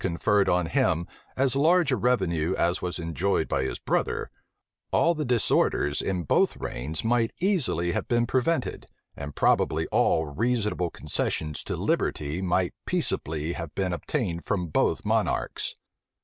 conferred on him as large a revenue as was enjoyed by his brother, all the disorders in both reigns might easily have been prevented, and probably all reasonable concessions to liberty might peaceably have been obtained from both monarchs.